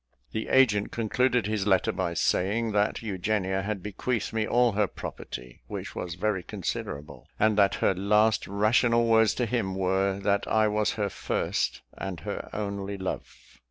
The agent concluded his letter by saying, that Eugenia had bequeathed me all her property, which was very considerable, and that her last rational words to him were, that I was her first and her only love.